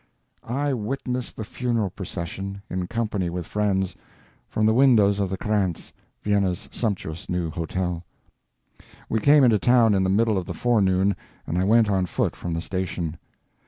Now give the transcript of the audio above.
I witnessed the funeral procession, in company with friends, from the windows of the Krantz, Vienna's sumptuous new hotel. We came into town in the middle of the forenoon, and I went on foot from the station.